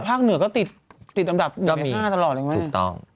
ภาคเหนือก็ติดอันดับหนึ่งในห้าตลอดไงไหมเนี่ยถูกต้อง